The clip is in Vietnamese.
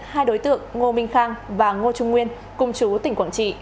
hai đối tượng ngô minh khang và ngô trung nguyên cùng chú tỉnh quảng trị